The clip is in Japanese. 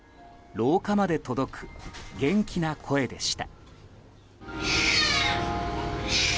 廊下まで届く元気な声でした。